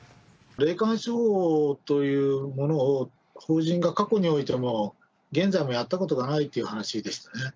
霊感商法というものを法人が過去においても、現在もやったことがないという話でしたね。